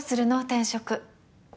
転職。